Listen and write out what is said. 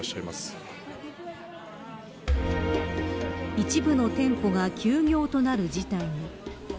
一部の店舗が休業となる事態に。